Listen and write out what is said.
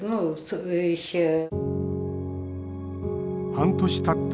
半年たった